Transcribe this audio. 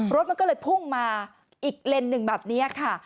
รถมันก็เลยพุ่งมาอีกเลนส์หนึ่งแบบนี้ค่ะ